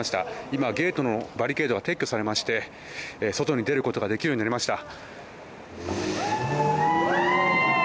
今、ゲートのバリケードが撤去されまして外に出ることができるようになりました。